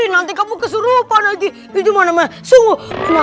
nanti kamu keserupan lagi itu mana mana sungguh